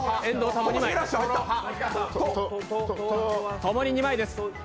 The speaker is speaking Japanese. ともに２枚です。